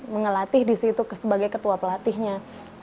mengelatih di situ sebagai ketua pelatihnya